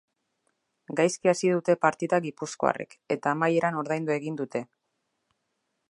Gaizki hasi dute partida gipuzkoarrek eta amaieran ordaindu egin dute.